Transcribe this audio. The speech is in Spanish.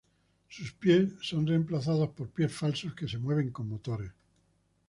Sus pies son reemplazados por pies falsos que se mueven con motores.